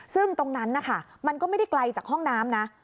ซึ่งตรงนั้นนะคะมันก็ไม่ได้ไกลจากห้องน้ำนะ